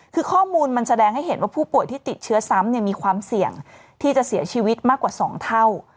คือข้อมูลมันแสดงให้เห็นว่าผู้ป่วยที่ติดเชื้อซ้ำมีความเสี่ยงที่จะเสียชีวิตมากกว่า๒เท่า